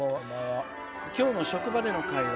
きょうの職場での会話。